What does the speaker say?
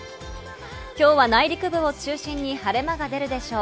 今日は内陸部を中心に晴れ間が出るでしょう。